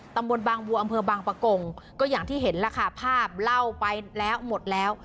ตำบลบางวัวอำเภอบางประกงก็อย่างที่เห็นล่ะค่ะภาพเล่าไปแล้วหมดแล้ว